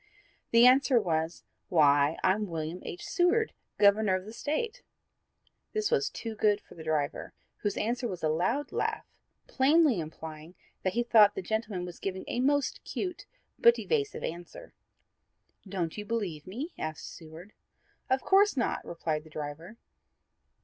The answer was, "Why, I'm William H. Seward, Governor of the State." This was too good for the driver, whose answer was a loud laugh, plainly implying that he considered that the gentleman had given a most cute but evasive answer. "Don't you believe me?" asked Seward. "Of course not," replied the driver.